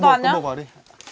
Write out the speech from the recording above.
có cần bổ vào đi